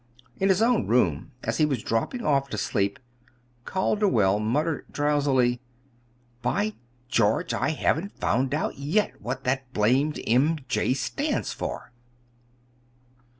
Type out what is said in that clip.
In his own room, as he was dropping off to sleep, Calderwell muttered drowsily: "By George! I haven't found out yet what that blamed 'M. J.' stands for!"